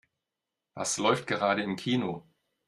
Was läuft gerade im Kino?